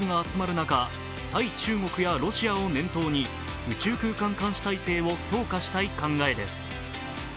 中国やロシアなどを念頭に、宇宙空間監視体制を強化したい考えです。